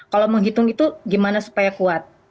kalau menghitung itu gimana supaya kuat